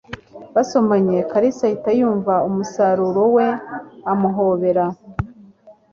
Basomanye, Kalisa ahita yumva umusaruro we amuhobera